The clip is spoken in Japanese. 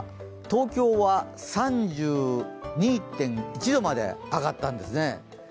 東京は３２．１度まで上がったんですね。